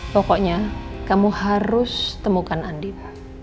pokoknya kamu harus temukan andib